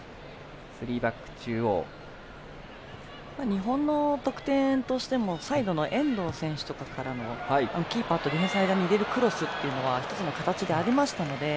日本の得点としてもサイドの遠藤選手からかのキーパーとディフェンダーの間に入れるクロスっていうのは１つの形でありましたので。